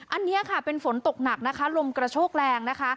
อันนี้ค่ะเป็นฝนตกหนักนะคะลมกระโชกแรงนะคะ